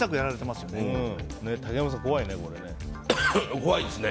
怖いですね。